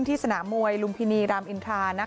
สนามมวยลุมพินีรามอินทรา